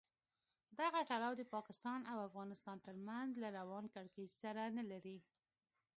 دغه تړاو د پاکستان او افغانستان تر منځ له روان کړکېچ سره نه لري.